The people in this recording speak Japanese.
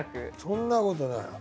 そんなことない。